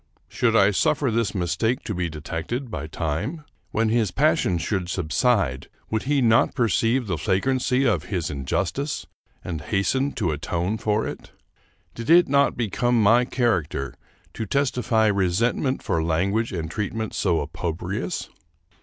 Should I suffer this mistake to be detected by time? When his passion should subside, would he not perceive the flagrancy of his injustice and hasten to atone for it? Did it not be come my character to testify resentment for language and treatment so opprobrious?